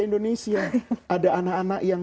indonesia ada anak anak yang